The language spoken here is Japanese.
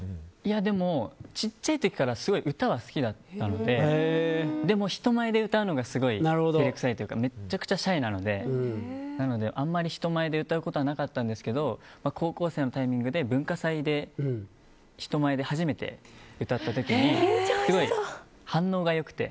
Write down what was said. でもちっちゃい時から歌は好きだったのででも、人前で歌うのがすごい照れくさいというかめっちゃくちゃシャイなのであまり人前で歌うことはなかったんですけど高校生のタイミングで、文化祭で人前で初めて歌った時に反応が良くて。